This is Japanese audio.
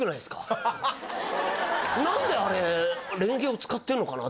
なんであれレンゲを使ってるのかな？